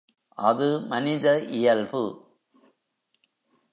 அது மனித இயல்பு.